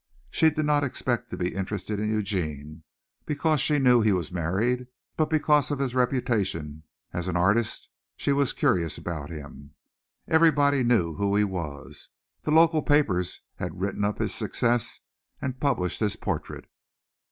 She did not expect to be interested in Eugene because she knew he was married, but because of his reputation as an artist she was curious about him. Everybody knew who he was. The local papers had written up his success and published his portrait.